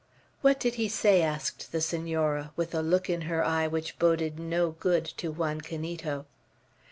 "What did he say?" asked the Senora, with a look in her eye which boded no good to Juan Canito.